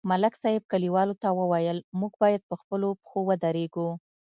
ملک صاحب کلیوالو ته وویل: موږ باید په خپلو پښو ودرېږو